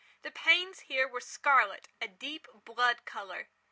The panes here were scarlet—a deep blood colour.